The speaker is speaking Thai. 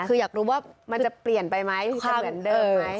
คืออยากรู้ว่ามันจะเปลี่ยนไปไหมจะเหมือนเดิมไหม